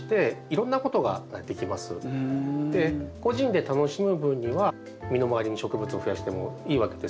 個人で楽しむ分には身の回りの植物を増やしてもいいわけですので。